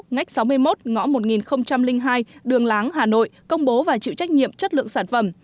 ngách sáu mươi một ngõ một nghìn hai đường láng hà nội công bố và chịu trách nhiệm chất lượng sản phẩm